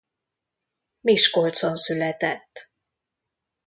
Miskolcon született.